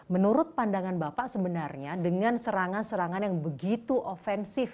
menurut pandangan bapak sebenarnya dengan serangan serangan yang begitu ofensif